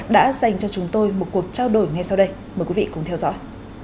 đã dành cho chúng tôi một cuộc trao đổi ngay sau đây mời quý vị cùng theo dõi